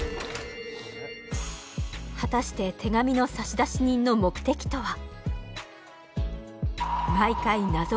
果たして手紙の差出人の目的とは？